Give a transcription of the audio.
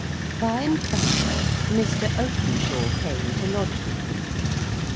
Bye and bye, Mr. Openshaw came to lodge with them.